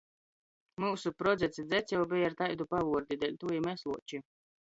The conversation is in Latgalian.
Myusu prodzeds i dzeds jau beja ar taidu pavuordi, deļtuo i mes Luoči.